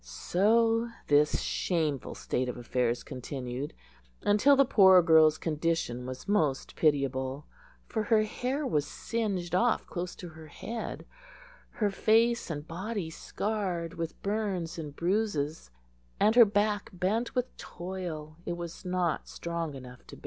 So this shameful state of affairs continued until the poor girl's condition was most pitiable; for her hair was singed off close to her head, her face and body scarred with burns and bruises, and her back bent with toil it was not strong enough to bear.